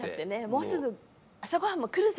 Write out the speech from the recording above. もうすぐ朝ごはんも来るぞ。